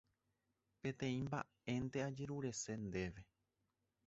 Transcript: Peteĩ mba'énte ajerurese ndéve.